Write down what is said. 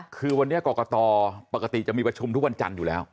คือวันนี้กรกตปกติจะมีประชุมทุกวันจันทร์อยู่แล้ว